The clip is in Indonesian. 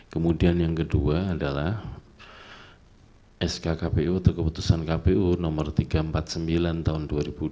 kemudian yang kedua adalah sk kpu atau keputusan kpu nomor tiga ratus empat puluh sembilan tahun dua ribu dua puluh